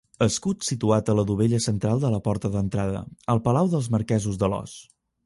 Escut situat a la dovella central de la porta d'entrada al palau dels Marquesos d'Alòs.